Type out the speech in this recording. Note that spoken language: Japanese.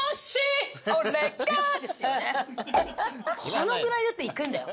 このぐらいだっていくんだよ。